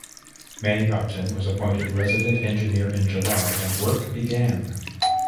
May Upton was appointed resident engineer in July, and work began.